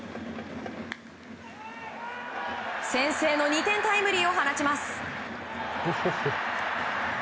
先制の２点タイムリーを放ちます。